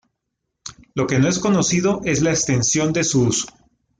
Lo que no es conocido es la extensión de su uso.